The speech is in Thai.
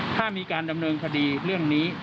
ถ้ามีการดำเนินคดีเรื่องนี้